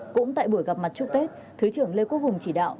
cũng tại buổi gặp mặt chúc tết thứ trưởng lê quốc hùng chỉ đạo